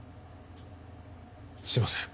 すいません。